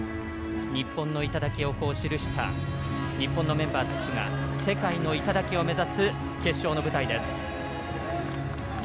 日本の頂を記した日本のメンバーが世界の頂を目指す決勝の舞台です。